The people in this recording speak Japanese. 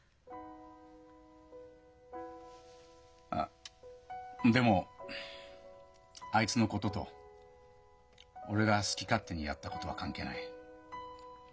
あっでもあいつのことと俺が好き勝手にやったことは関係ない。